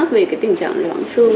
về cái tình trạng loãng xương